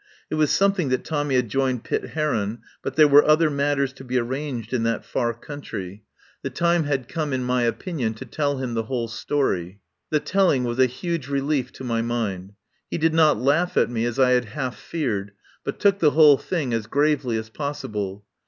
It was something that Tommy had joined Pitt Heron, but there were other matters to be arranged in that far country. The time 1 06 THE TRAIL OF THE SUPER BUTLER had come, in my opinion, to tell him the whole story. The telling was a huge relief to my mind. He did not laugh at me as I had half feared, but took the whole thing as gravely as possi ble.